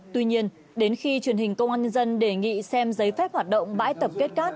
tuy nhiên đến khi truyền hình công an nhân dân đề nghị xem giấy phép hoạt động bãi tập kết cát